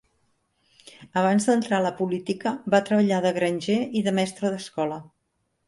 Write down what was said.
Abans d'entrar a la política va treballar de granger i de mestre d'escola.